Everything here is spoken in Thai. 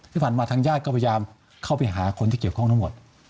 ที่ผ่านมาทางญาติก็พยายามเข้าไปหาคนที่เกี่ยวข้องทั้งหมด